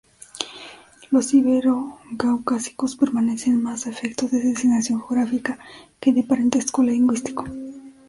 Los ibero-caucásicos permanecen más a efectos de designación geográfica que de parentesco lingüístico.